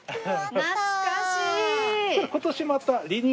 懐かしい！